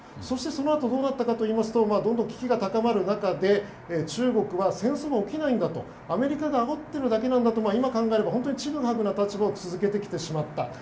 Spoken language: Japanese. そして、そのあとどうだったかといいますとどんどん危機が高まる中で中国は戦争は起きないとアメリカがあおっているだけだと今考えるとちぐはぐな立場を続けてきてしまった。